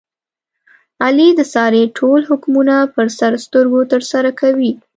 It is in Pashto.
علي د سارې ټول حکمونه په سر سترګو ترسره کوي.